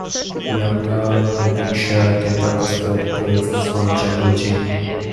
A young girl in a pink shirt and purple skirt plays on a jungle gym.